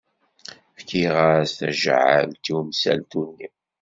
Fkiɣ-as tajaɛalt i umsaltu-nni.